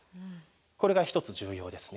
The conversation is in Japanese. これが１つ重要ですね。